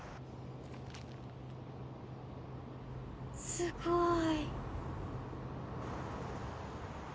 すごい。